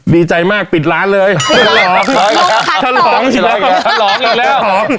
ดีใจมากปิดร้านเลยหลอกหลอกอีกแล้ว